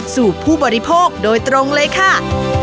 ผู้บริโภคโดยตรงเลยค่ะ